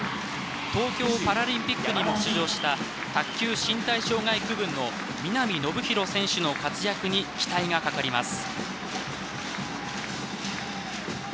東京パラリンピックにも出場した卓球・身体障害区分の皆見信博選手の活躍に期待がかかります。